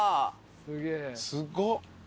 すごっ。